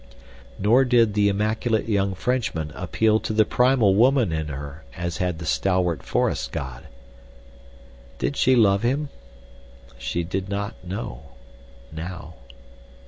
Nor did the immaculate young Frenchman appeal to the primal woman in her, as had the stalwart forest god. Did she love him? She did not know—now.